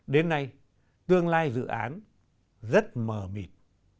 đến nay tương lai dự án rất mờ mịt